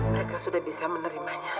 mereka sudah bisa menerimanya